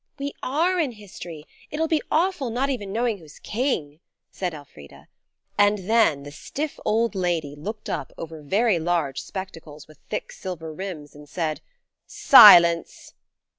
"We are in history. It'll be awful not even knowing who's king," said Elfrida; and then the stiff old lady looked up over very large spectacles with thick silver rims, and said– "Silence!"